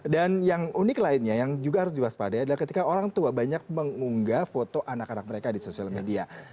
dan yang unik lainnya yang juga harus diwaspadai adalah ketika orang tua banyak mengunggah foto anak anak mereka di sosial media